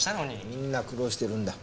みんな苦労してるんだ。